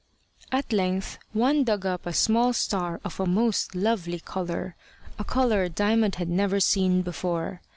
At length one dug up a small star of a most lovely colour a colour Diamond had never seen before.